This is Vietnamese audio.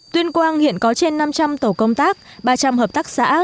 tuyên quang hiện có trên năm trăm linh tổ công tác ba trăm linh hợp tác xã